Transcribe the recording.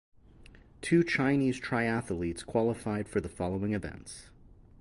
Two Chinese triathletes qualified for the following events.